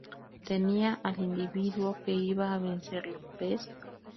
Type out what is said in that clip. Tenía al individuo que iba a vencerlo, ¿ves?